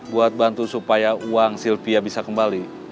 buat bantu supaya uang sylvia bisa kembali